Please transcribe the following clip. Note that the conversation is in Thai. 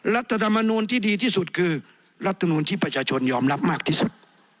รัฐธรรมนูลที่ดีที่สุดคือรัฐมนูลที่ประชาชนยอมรับมากที่สุด